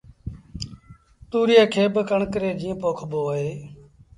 تُوريئي کي با ڪڻڪ ري جيٚن پوکبو اهي